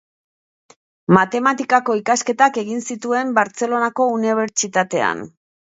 Matematikako ikasketak egin zituen Bartzelonako Unibertsitatean.